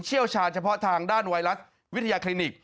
เชี่ยวชาญเฉพาะทางด้านไวรัสวิทยาคลินิก